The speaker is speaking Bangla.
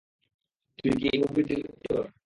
তুই কি মুভির ডিরেক্টর?